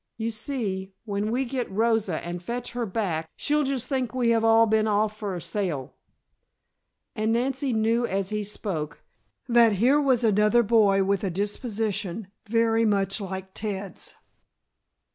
You see, when we get Rosa and fetch her back she'll just think we have all been off for a sail." And Nancy knew as he spoke, that here was another boy with a disposition very much like Ted's.